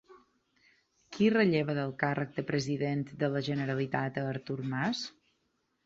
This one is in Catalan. Qui relleva del càrrec de president de la Generalitat a Artur Mas?